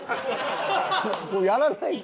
こうやらないですか？